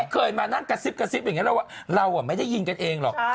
เคยมานั่งกระซิบอย่างนี้เราไม่ได้ยินกันเองหรอก